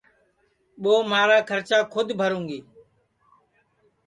ٻو مہارا کھرچا کھود بھروںگی